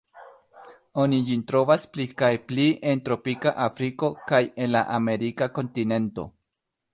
Oni ĝin trovas pli kaj pli en tropika Afriko kaj en la Amerika kontinento.